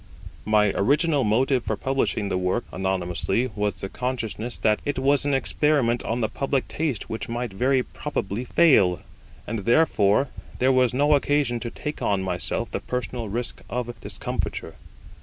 My original motive for publishing the work anonymously was the consciousness that it was an experiment on the public taste which might very probably fail, and therefore there was no occasion to take on myself the personal risk of discomfiture.